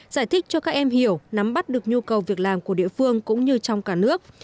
giải thích cho các em hiểu nắm bắt được nhu cầu việc làm của địa phương cũng như trong cả nước